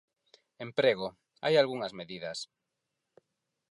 Emprego, hai algunhas medidas.